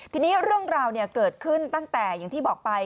ทีนี้เรื่องราวเกิดขึ้นตั้งแต่อย่างที่บอกไป